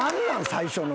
最初の。